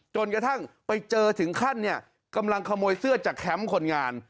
จนกระทั่งไปเจอถึงขั้นเนี่ยกำลังขโมยเสื้อจากแคมป์คนงาน